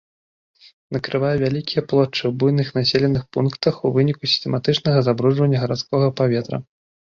Накрывае вялікія плошчы ў буйных населеных пунктах ў выніку сістэматычнага забруджвання гарадскога паветра.